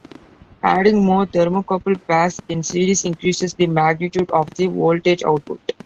Adding more thermocouple pairs in series increases the magnitude of the voltage output.